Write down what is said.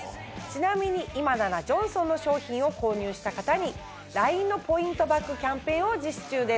ちなみに今ならジョンソンの商品を購入した方にＬＩＮＥのポイントバックキャンペーンを実施中です。